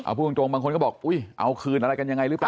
พูดตรงบางคนก็บอกอุ๊ยเอาคืนอะไรกันยังไงหรือเปล่า